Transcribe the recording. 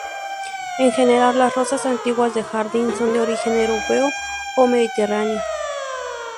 En general, las rosas antiguas de jardín son de origen europeo o mediterráneo.